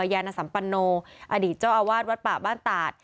ยานสัมปันโนอดีตเจ้าอาวาสวัดป่าบ้านตาด